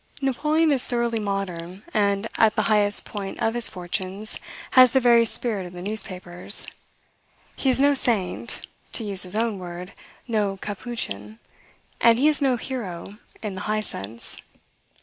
Napoleon is thoroughly modern, and, at the highest point of his fortunes, has the very spirit of the newspapers. He is no saint, to use his own word, "no capuchin," and he is no hero, in the high sense.